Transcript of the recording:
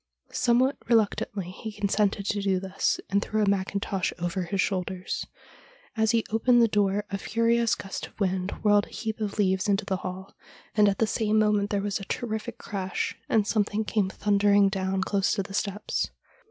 Some what reluctantly he consented to do this, and threw a mac kintosh over, his shoulders. As he opened the door a furious gust of wind whirled a heap of leaves into the hall, and at the same moment there was a terrific crash, and something came thundering down close to the steps.